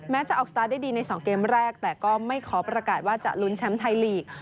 จะออกสตาร์ทได้ดีใน๒เกมแรกแต่ก็ไม่ขอประกาศว่าจะลุ้นแชมป์ไทยลีก